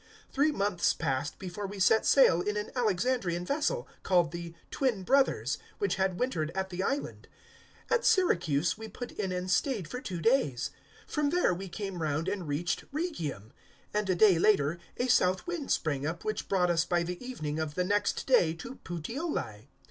028:011 Three months passed before we set sail in an Alexandrian vessel, called the `Twin Brothers,' which had wintered at the island. 028:012 At Syracuse we put in and stayed for two days. 028:013 From there we came round and reached Rhegium; and a day later, a south wind sprang up which brought us by the evening of the next day to Puteoli.